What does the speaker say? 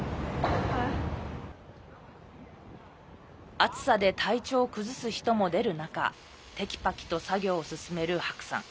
暑さで体調を崩す人も出る中テキパキと作業を進める白さん。